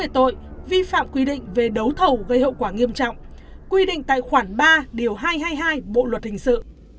tội vi phạm quy định về đấu thầu gây hậu quả nghiêm trọng quy định tài khoản ba điều hai trăm hai mươi hai bộ luật hình sự